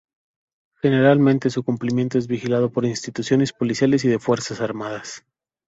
Generalmente su cumplimiento es vigilado por instituciones policiales y de fuerzas armadas.